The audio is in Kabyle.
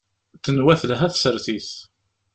Tenwa telha tsertit.